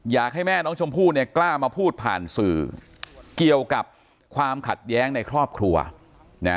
อยากให้แม่น้องชมพู่เนี่ยกล้ามาพูดผ่านสื่อเกี่ยวกับความขัดแย้งในครอบครัวนะ